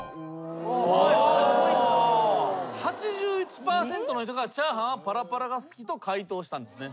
８１％の人がチャーハンはパラパラが好きと回答したんですね。